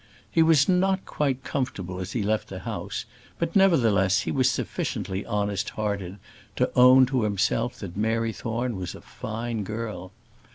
He was not quite comfortable as he left the house; but, nevertheless, he was sufficiently honest hearted to own to himself that Mary Thorne was a fine girl.